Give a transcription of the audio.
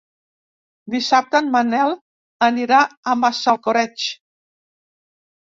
Dissabte en Manel anirà a Massalcoreig.